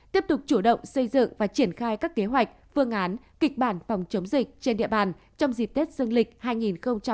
tiếp tục chủ động xây dựng và triển khai các kế hoạch phương án kịch bản phòng chống dịch trên địa bàn trong dịp tết dương lịch hai nghìn hai mươi